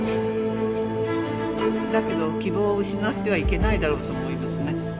だけど希望を失ってはいけないだろうと思いますね。